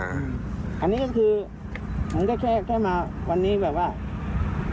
อันนี้ก็คือมันก็แค่แค่มาวันนี้แบบว่า